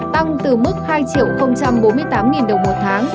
tăng từ mức hai triệu bốn mươi tám đồng một tháng